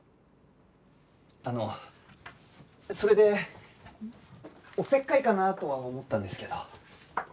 あのそれでおせっかいかなとは思ったんですけど。